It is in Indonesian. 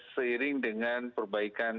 seiring dengan perbaikan